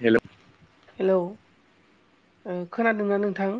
हेल'। Hello ओ खोनादोंना नोंथां?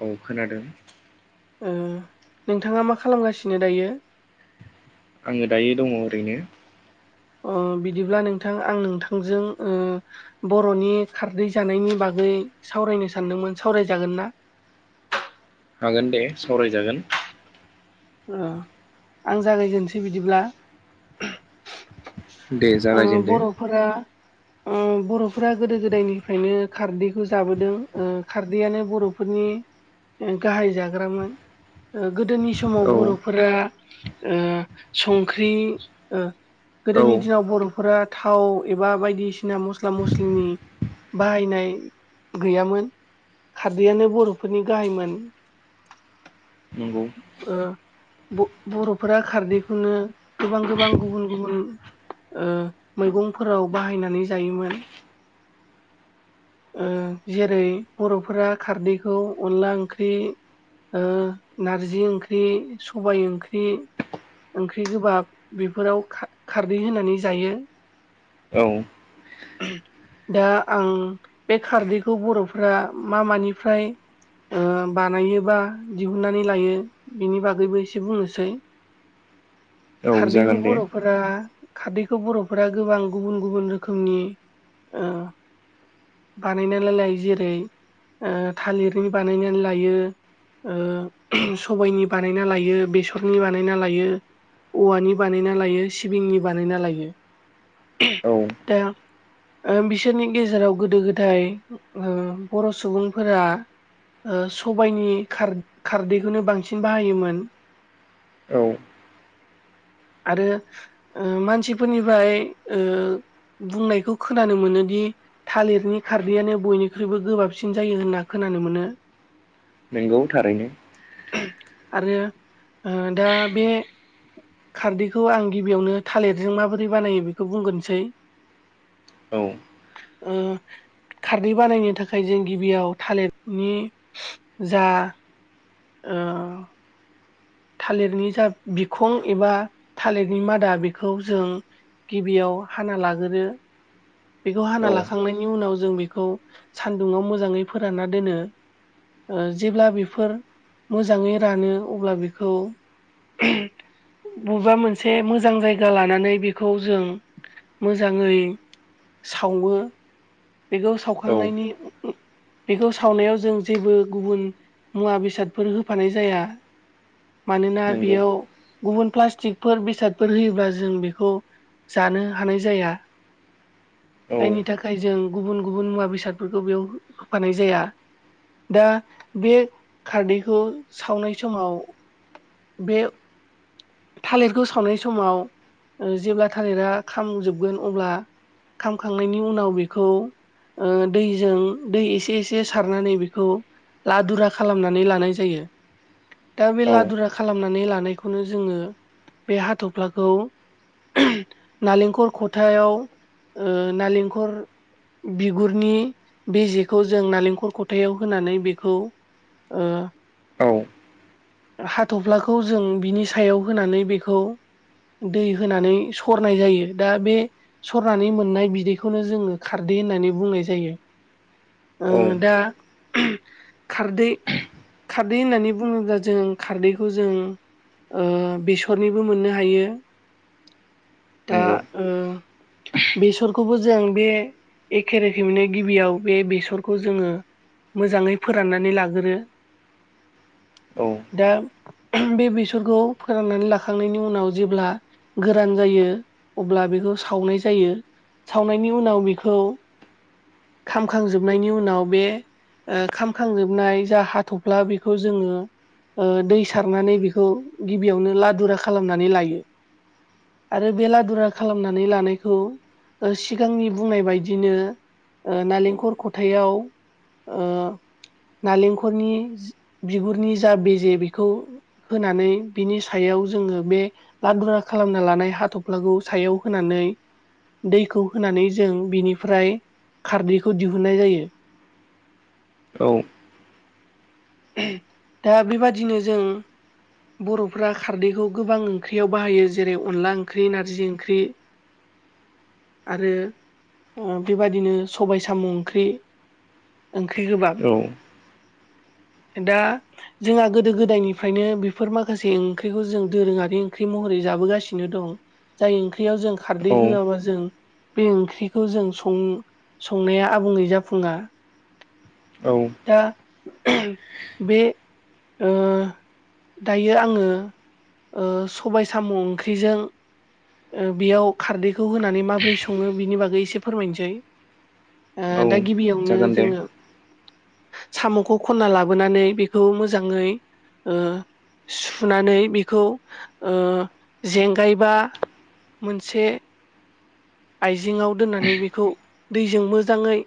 औ खोनादों। ओ नोंथाङा मा खालामगासिनो दायो? आङो दायो दङ ओरैनो। ओ बिदिब्ला नोंथां आं नोंथांजों ओ बर'नि खारदै जानायनि बागै सावरायनो सानदोंमोन सावरायजागोन ना? हागोन दे सावरायजागोन। उम आं जागायजेनसै बिदिब्ला दे ओम जागायजेनदो बर'फोरा बर'फोरा गोदो गोदायनिफ्रायनो खारदैखौ जाबोदों खारदैआानो बर' फोरनि गाहाय जाग्रामोन ओ गोदोनि समाव औ बर'फोरा ओ संख्रि ओ औ गोदोनि दिनाव बर'फोरा थाव एबा बायदिसिना मस्ला मस्लिनि बाहायनाय गैयामोन खारदैयानो बर'फोरनि गाहायमोन। नंगौ बर'फोरा खारदैखौनो गोबां गोबां गुबुन गुबुन मैगंफोराव बाहायनानै जायोमोन। ओ जेरै बर'फोरा खारदैखौ अनला ओंख्रि ओ नारजि ओंख्रि सबाय ओंख्रि ओंख्रि गोबाब बेफोराव खारदै होनानै जायो। औ। दा आं बे खारदैखौ बर'फ मा मानिफ्राय बानायोबा नानै लायो बिनि बागैबो एसे बुंनोसै औ खारदैखौ जागोन दे बर' फोरा खारदैखौ बर'फोरा गोबां गुबुन गुबुन रोखोमनि ओ बानायनायलाय जेरै थालिरनि बानायनानै लायो सबायाइनि बानायना लायो बेसरनि बानायना लायो। औवानि बानायना लायो सिबिंनि बानायना लायो औ। दा ओ बिसोरनि गेजेराव गोदो गोदाय ओ बर' सुबुंफोरा ओ सबाइनि खार-खारदैखौनो बांसिन बाहायोमोन औ आरो ओ मानसिफोरनिफ्राय ओ बुंनायखौ खोनानो मोनोदि थालिरनि खारदैयानो बयनिख्रुइबो गोबाबसिन जायो होनना खोनानो मोनो। नोंगौ थारैनो आरो दा बे खारदैखौ आं गिबियावनो थालिरजों माबोरै बानायो बेखौ बुंग्रोनोसै। औ उम खारदै बानायनो थाखाय जों गिबियाव थालिरनि जा ओ थालिरनि जा बिखं एबा थालिरनि मादा बेखौ जों गिबियाव हाना लागोरो बेखौ हाना औ लाखांनायनि उनाव जों बेखौ सानदुंाव मोजाङै फोरानना दोनो ओ जेब्ला बेफोर मोजाङै रानो अब्ला बेखौ बबेबा मोनसे मोजां जायगा लानानै बेखौ जों मोजाङै सावो बेखौ औ सावखांनायनि बेखौ सावनायाव जों जेबो गुबुन मुवा बेसादफोर होफानाय जाया मानोना नंगौ बेयाव गुबुन प्लास्टिकफोर बेसादफोर होयोब्ला जों बेखौ जानो हानाय जाया औ जायनि थाखाय जों गुबुन गुबुन मुवा बेसादफोरखौ बेयाव होफानाय जाया। दा बे खारदैखौ सावनाय समाव बे थालिरखौ सावनाय समाव जेब्ला थालिरा खामजोबगोन अब्ला खामखांनायनि उनाव बेखौ ओ दैजों दै एसे एसे सारनानै बेखौ लादुरा खालामनानै लानाय जायो दा बे औ लादुरा खालामनानै लानायखौनो जोङो बे हाथ'फ्लाखौ नालेंखर खथायाव नालेंखर बिगुरनि बे जेखौ जों नालेंखल खथायाव होनानै बेखौ ओ औ। हाथ'फ्लाखौ जों बिनि सायाव होनानै बेखौ दै होनानै सरनाय जायो दा बे सरनानै मोननाय बिदैखौनो जोङो खारदै होननानै बुंनाय जायो। ओ औ दा खारदै खारदै होननानै बुङोब्ला जों खारदैखौ जों बेसरनिबो मोननो हायो दा नंगौ बेसरखौबो जों बे एखे रोखोमैनो गिबियाव बे बेसरखौ जोङो मोजाङै फोराननानै लाग्रो। औ। दा बे बेसरखौ फोराननानै लाखांनायनि उनाव जेब्ला गोरान जायो अब्ला बेखौ सावनाय जायो। सावनायनि उनाव बेखौ खामखांजोबनायनि उनाव बे ओ खामखांजोबनाय जा हाथ'फ्ला बेखौ जोङो ओ दै सारनानै बिखौ गिबियावनो लादुरा खालामनानै लायो आरो बेलादुरा खालामनानै लानायखौ ओ सिगांनि बुंनाय बायदिनो ओ नालेंखर खथायाव [inaudible] नालेंखरनि बिगुरनि जा बेजे बेखौ होनानै। बिनि सायाव जोङो बे लादुरा खालामना लानाय हाथ'फ्लाखौ सायाव होनानै दैखौ होनानै जों बिनिफ्राय खारदैखौ दिहुनन्नाय जायो। औ। दा बेबादिनो जों बर'फ खारदैखौ गोबां ओंख्रियाव बाहायो जेरै अनला ओंख्रि नारजि ओंख्रि आरो बेबादिनो सबाय साम' ओंख्रि। ओंख्रि गोबां औ दा जोंहा गोदो गोदायनिफ्रायनो बि बेफोर माखासे ओंख्रिखौ जों दोरोङारि ओंख्रि महरै जाबोगासिनो दं। जाय ओंख्रियाव जों खारदै होआबा जों बे ओंख्रिखौ जों सं संनाया आबुङै जाफुङा औ दा बे उम दायो आङो ओ सबाय साम' ओंख्रिजों ओ बेयाव खारदैखौ होनानै माबोरै सङो बिनि बागै एसे फोरमायनोसै। औ दा गिबियावनो जागोन दे जोङो साम'खौ खन्ना लाबोनानै बेखौ मोजाङै सुनानै बेखौ जेंगायबा मोनसे आइजेंआव दोननानै बेखौ दैजों मोजाङै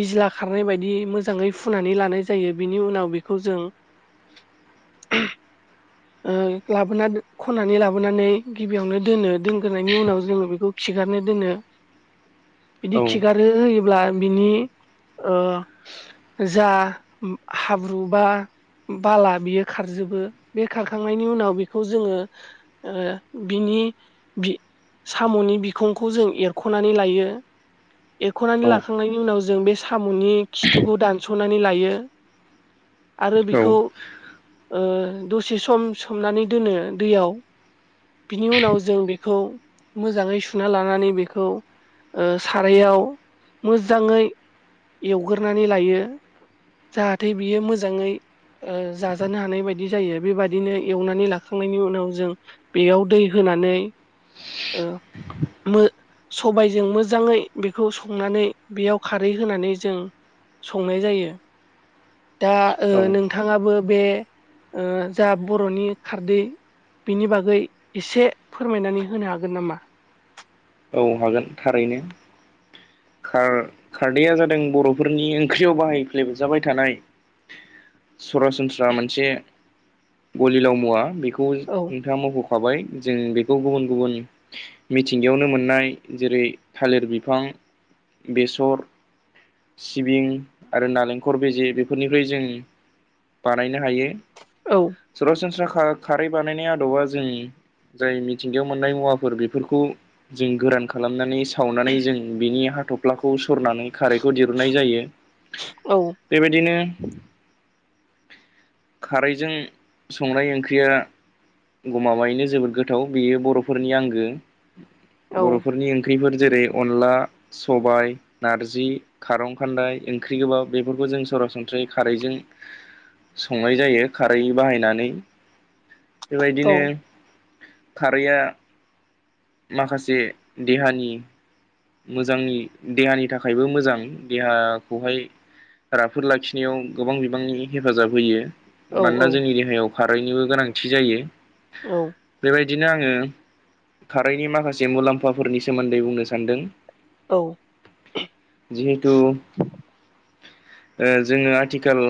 बिज्ला खारनाय बायदि मोजाङै फुनानै लानाय जायो बिनि उनाव बेखौ जों [inaudible] ओ लाबोना दो खननानै लाबोनानै गिबियावनो दोनो दोनग्रोनायनि उनाव जोङो बेखौ खिगारनो दोनो। बिदि औ खिगारो होयोब्ला बिनि ओ जा हाब्रु बा बाला बियो खारजोबो बे खाखांनायनि उनाव बेखौ जोङो ओ बिनि बि साम'नि बिखंखौ जों एरख'नानै लायो। एरख'नानै लाखांनायनि उनाव जों बे साम'नि खिथुखौ दानस'नानै लायो। आरो औ बिखौ औ ओ दस एसे सम सोमनानै दोनो दैयाव बिनि उनाव जों बेखौ मोजाङै सुना लानानै बेखौ। ओ सारायाव मोजाङै एवग्रोनानै लायो। जाहाथे बियो मोजाङै ओ जाजानो हानाय बायदि जायो। बेबादिनो एवनानै लाखांनायनि उनाव जों बेयाव दै होनानै अ मो सबायजों मोजाङै बेखौ संनानै बेयाव खारै होनानै जों संनाय जायो दा ओ नोंथाङाबो बे ओ जा बर'नि खारदै बिनि बागै एसे फोरमायनानै होनो हागोन नामा? औ हागोन थारैनो खार खारदैया जादों बर'फोरनि ओंख्रियाव बाहायफ्लेबजाबाय थानाय सरासनस्रा मोनसे गलिलाव मुवा बेखौ खौ औ नोंथांङा मख'खाबाय जों बेखौ गुबुन गुबुन मिथिंगायावनो मोन मोननाय जेरै थालिर बिफां बेसर सिबिं आरो नारेंखर बेजे बेफोरनिफ्राय जों बानायनो हायो। औ। सरासनस्रा खा खारै बानायनाय आदबा जों जाय मिथिंगायाव मोननाय मुवाफोर बेफोरखौ जों गोरान खालामनानै सावनानै जों बिनि हाथ'फ्लाखौ सरनानै खारैखौ दिरहुननाय जायो औ बेबायदिनो खारैजों संनाय ओंख्रिया गमाबायैनो जोबोद गोथाव बेयो बर'फोरनि आंगो औ बर'फोरनि ओंख्रिफोर जेरै अनला सबाय नारजि खारं खान्दाय ओंख्रि गोबाब बेफोरखौ जों सरासनस्रायै खारैजों। संनाय जायो खारै बाहायनानै औ बेबायदिनो खारैआ माखासे देहानि मोजांनि देहानि थाखायबो मोजां देहाखौहाय राफोद लाखिनायाव गोबां बिबांनि हेफाजाब होयो। औ मानोना औ जोंनि देहायाव खारैनिबो गोनांथि जायो। औ। बेबायदिनो आङो खारैनि माखासे मुलाम्फाफोरनि सोमोन्दै बुंनो सानदों। औ जिहेथु ओ जोङो आथिखाल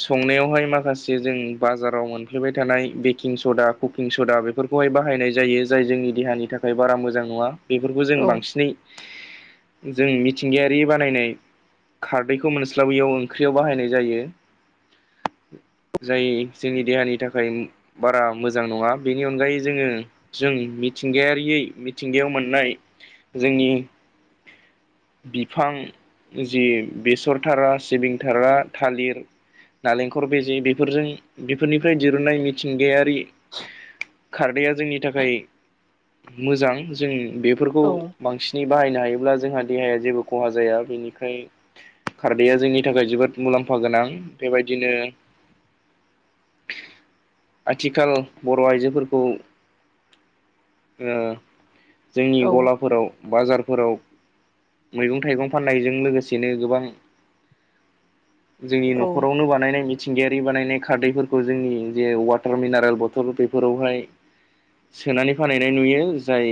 संनायावहाय माखासे जों बाजाराव मोनफ्लबाय थानाय बेकिं सदा कुकिं सदा बेफोरखौहाय बाहायनाय जायो जाय जोंनि देहानि थाखाय बारा मोजां नङा बेफोरखौ जों औ बांसिन जों मिथिंगायारि बानायनाय खारदैखौ मोनस्लाबैयाव ओंख्रियाव बाहायनाय जायो। [inaudible] जाय जोंनि देहानि थाखाय बारा मोजां नङा बेनि अनगायै जोङो जों मिथिंगायारियै मिथिंगायाव मोननाय जोंनि बिफां जि बेसरथारा सिबिं थारा थालिर नालेंखर बेजे बेफोरजों बेफोरनिफ्राय दिरुननाय मिथिंगाया ऐ खारदैआ जोंनि थाखाय मोजां जों बे बेफोरखौ बांसिनै बाहायनो हायोब्ला जोंहा देहाया जेबो खहा जाया बेनिफ्राय खारदैया जोंनि थाखाय जोबोद मुलाम्फा गोनां बेबायदिनो आथिखाल बर' आइजोफोरखौ ओ औ जोंनि गलाफोराव बाजारफोराव मैगं थाइगं फाननायजों लोगोसेनो गोबां जोंनि न'खरावनो बानायनायनि मिथिंगायारि बानायनाय खारदैफोरखौ जोंनि जे वाटार मिनारेल बथल बेफोरावहाय सोनानै फानहैनाय नुयो जाय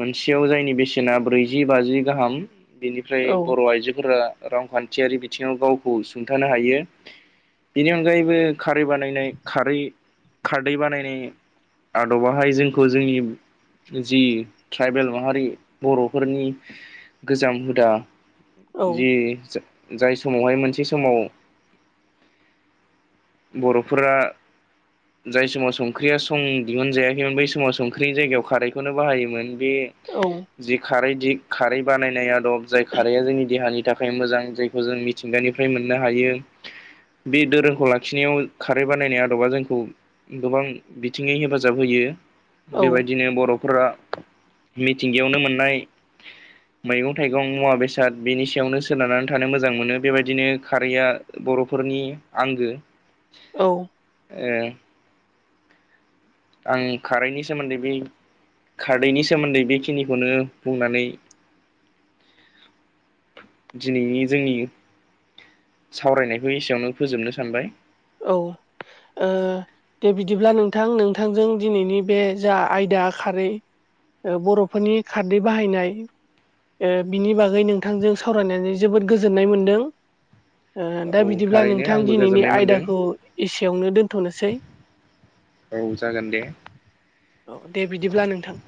मोनसेयाव जायनि बे सेना ब्रैजि बाजि गाहाम बेनिफ्राय बर' आइजोफोरा रांखान्थियारि बिथिङाव गावखौ सुंथानो हायो। बेनि अनगायैबो खारै बानायनाय खारै खारदै बानायनाय आदबाहाय जोंखौ जोंनि जि ट्राइबेल माहारि बर'फोरनि गोजाम हुदा औ जि जाय समावहाय मोनसे समाव बर'फोरा जाय समाव संख्रिया सं दिहुनजायाखैमोन बै समाव संख्रिनि जायगायाव खारैखौनो बाहायोमोन बे औ। जि खारै दि खारै बानायनाय आदब जाय खारैया जोंनि देहानि थाखाय मोजां जायखौ जों मिथिंगानिफ्राय मोननो हायो। बे दोरोंखौ लाखिनायाव खारै बानायनाय आदबा जोंखौ गोबां बिथिङै हेफाजाब होयो। औ बेबायदिनो बर'फोरा मिथिंगायावनो मोननाय [inaudible] मैगं थाइगं मुवा बेसाद बेनि सायावनो सोनारनानै थानो मोजां मोनो बेबायदिनो खारैया बर'फोरनि आंगो औ। ओ आं खारैनि सोमोन्दै बे खारदैनि सोमोन्दै बेखिनिखौनो बुंनानै [inaudible] दिनैनि जोंनि सावरायनायखौ एसेयावनो फोजोबनो सानबाय औ ओ दे बिदिब्ला नोंथां नोंथांजों दिनैनि बे जा आयदा खारै ओ बर'फोरनि खारदै बाहायनाय ओ बिनि बागै नोंथांजों सावरायनानै जोबोद गोजोननाय मोनदों। ओ औ दा बिदिब्ला थारैनो नोंथां आंबो दिनैनि गोजोननाय मोनदों आयदाखौ एसेयावनो दोनथ'नोसै। औ जागोन दे। औ दे बिदिब्ला नोंथां।